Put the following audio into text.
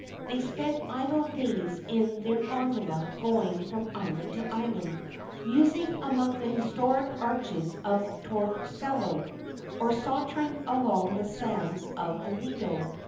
They spent idle days in their gondola going from island to island, musing among the historic arches of Torcello, or sauntering along the sands of the Lido.